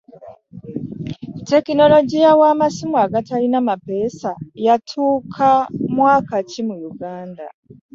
tekinologiya w'amasimu agatalina mapeesa yatuuka mwaka ki mu uganda?